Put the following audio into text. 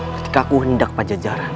ketika aku hendak pajajara